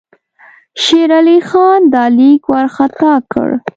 شېر علي خان دا لیک وارخطا کړ.